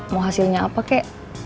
mau hasilnya apa kek